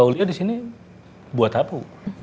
aulia disini buat apa